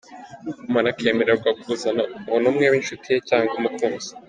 Umuntu akemererwa kuzana n’umuntu umwe w’inshuti ye cyangwa umukunzi.